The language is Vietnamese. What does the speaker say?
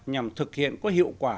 nhằm thực hiện có hiệu quả